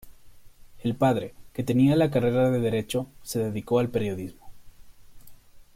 El padre, que tenía la carrera de derecho, se dedicó al periodismo.